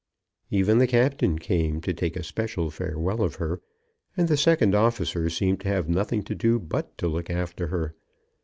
Even the captain came to take a special farewell of her, and the second officer seemed to have nothing to do but to look after her.